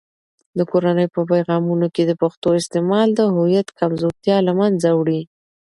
د کورنۍ په پیغامونو کې د پښتو استعمال د هویت کمزورتیا له منځه وړي.